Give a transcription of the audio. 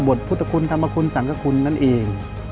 พุทธคุณธรรมคุณสังกคุณนั่นเอง